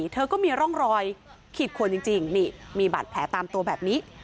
เธอก็มีร่องรอยขีดขวนจริงนี่มีบาดแผลตามตัวแบบนี้